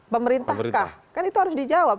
pemerintahkah kan itu harus dijawab